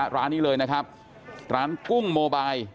ร้านนี้เลยนะครับร้านกุ้งโมบาย